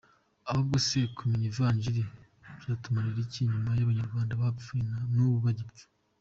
Ahubwo se kumenya Ivanjili byatumariye iki nyuma y’abanyarwanda bapfuye na n’ubu bagipfa?